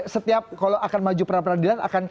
setiap kalau akan maju perapradilan